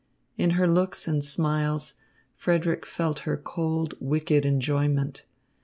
In her looks and smiles, Frederick felt her cold, wicked enjoyment.